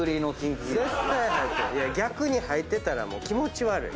逆に入ってたら気持ち悪い。